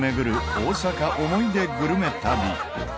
大阪思い出グルメ旅。